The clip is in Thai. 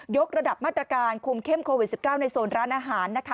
กระดับมาตรการคุมเข้มโควิด๑๙ในโซนร้านอาหารนะคะ